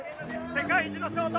世界一のショート。